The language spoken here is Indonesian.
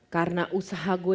karena usaha gue